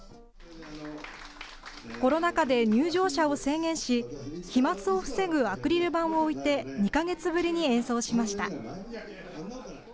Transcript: コロナ禍で入場者を制限し、飛まつを防ぐアクリル板を置いて２か月ぶりに演奏しました。